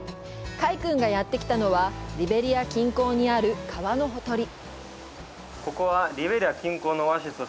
快くんがやってきたのはリベリア近郊にある川のほとり。